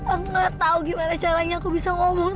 eh gak tau gimana caranya aku bisa ngomong